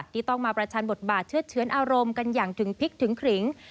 ที่ต้องมาประชันบทบาทเชื่อดเชื้อนอารมณ์กันอย่างถึงพิกถึงขริง